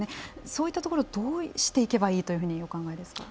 そういったところどうしていけばいいとお考えですか。